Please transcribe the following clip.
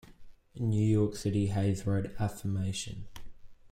In New York City, Hayes wrote "Affirmation".